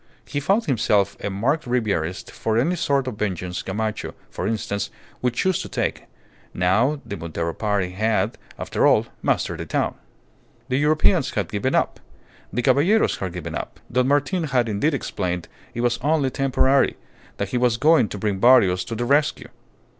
he found himself a marked Ribierist for any sort of vengeance Gamacho, for instance, would choose to take, now the Montero party, had, after all, mastered the town. The Europeans had given up; the Caballeros had given up. Don Martin had indeed explained it was only temporary that he was going to bring Barrios to the rescue.